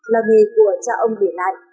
là nghề của cha ông để lại